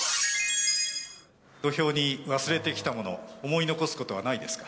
土俵に忘れてきたもの、思い残すことはないですか？